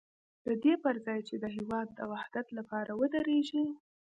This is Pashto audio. د دې پر ځای چې د هېواد د وحدت لپاره ودرېږي.